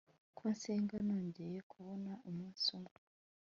ko nsenga nongeye kubona umunsi umwe